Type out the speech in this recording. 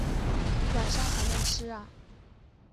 晚上还能吃啊